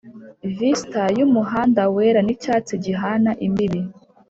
vista yumuhanda wera nicyatsi gihana imbibi,